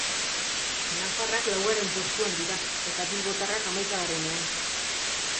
Nafarrak laugarren postuan dira eta bilbotarrak hamaikagarrenean.